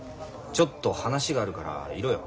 ちょっと話があるからいろよ。